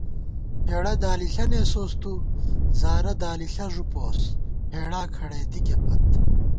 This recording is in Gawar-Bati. ہېڑہ دالِݪہ نېسوس تُو، زارہ دالِݪہ ݫُپوس ہېڑا کھڑَئی دِکےپت